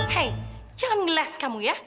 hey jangan ngeles kamu ya